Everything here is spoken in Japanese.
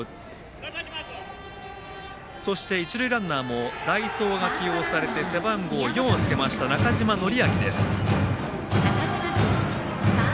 そして、一塁ランナーも代走が起用されて背番号４をつけました中島紀明です。